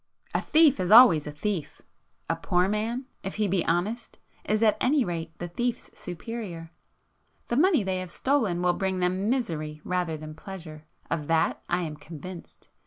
A thief is always a thief,—a poor man, if he be honest, is at any rate the thief's superior. The money they have stolen will bring them misery rather than pleasure,—of that I am convinced.